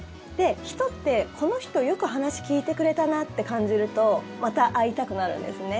人って、この人よく話聞いてくれたなと感じるとまた会いたくなるんですね。